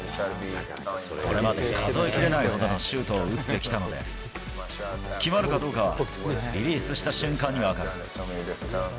これまで数えきれないほどのシュートを打ってきたので、決まるかどうかはリリースした瞬間に分かる。